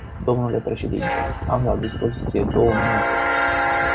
Domnule președinte, am la dispoziție două minute.